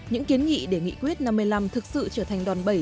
những kiến nghị để nghị quyết năm mươi năm thực sự trở thành đòn bẩy